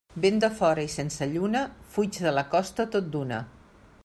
Vent de fora i sense lluna, fuig de la costa tot d'una.